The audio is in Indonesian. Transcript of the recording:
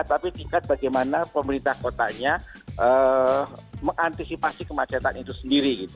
tapi tingkat bagaimana pemerintah kotanya mengantisipasi kemacetan itu sendiri gitu